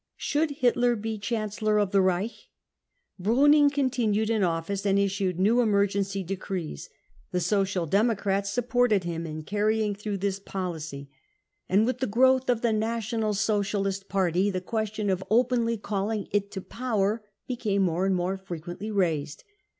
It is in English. * Should Hitler be Chancellor of the Reich? Pruning dbntinued in office, and issued new emergency decrees. The Social Democrats supported him in carrying through 38 BROWN BOOK OF THE HITLER TERROR this policf. And with the growth of (he National Socialist Party the question of openly calling it to power became more and more frequently raised.